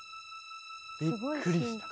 びっくりした。